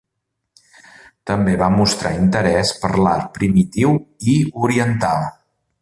També va mostrar interès per l'art primitiu i oriental.